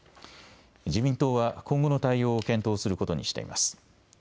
自民党は今後の対応を検討することにしています。